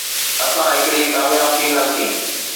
اسان هڪ ڏينهن ڪامياب ٿينداسين